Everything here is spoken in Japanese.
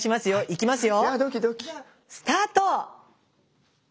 いきますよ。